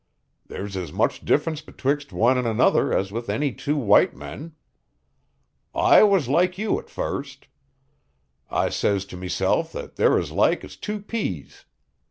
There's as much difference betwixt one and another as with any two white men. I was loike you at first. I says to meself that they're as like as two pease.